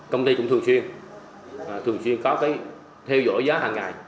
công ty cũng thường xuyên thường xuyên có cái theo dõi giá hằng ngày